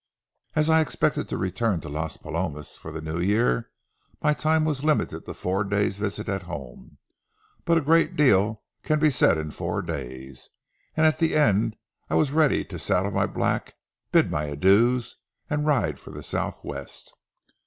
As I expected to return to Las Palomas for the New Year, my time was limited to a four days' visit at home. But a great deal can be said in four days; and at the end I was ready to saddle my black, bid my adieus, and ride for the southwest.